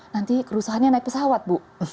nanti kerusuhannya naik pesawat bu